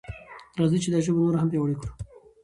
راځئ چې دا ژبه نوره هم پیاوړې کړو.